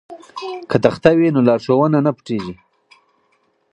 که تخته وي نو لارښوونه نه پټیږي.